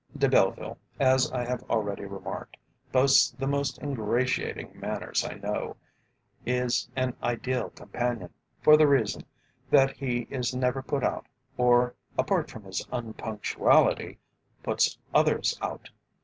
De Belleville, as I have already remarked, boasts the most ingratiating manners I know; is an ideal companion, for the reason that he is never put out or, apart from his unpunctuality, puts others out.